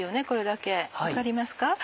これだけ分かりますか？